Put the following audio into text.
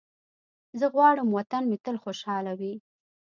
زه غواړم وطن مې تل خوشحاله وي.